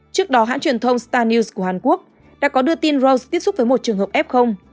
trước đó hãng truyền thông stan news của hàn quốc đã có đưa tin rose tiếp xúc với một trường hợp f